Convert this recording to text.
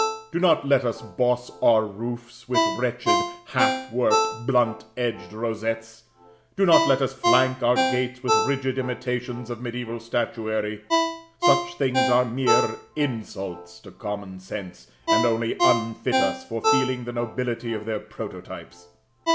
Do not let us boss our roofs with wretched, half worked, blunt edged rosettes; do not let us flank our gates with rigid imitations of mediæval statuary. Such things are mere insults to common sense, and only unfit us for feeling the nobility of their prototypes.